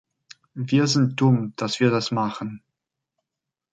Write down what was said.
Wir sind dumm, dass wir das machen.